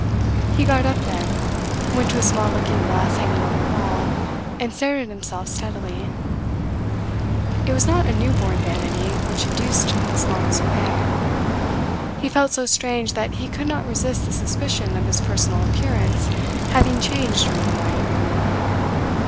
He got up then, went to a small looking glass hanging on the wall, and stared at himself steadily. It was not a new born vanity which induced this long survey. He felt so strange that he could not resist the suspicion of his personal appearance having changed during the night.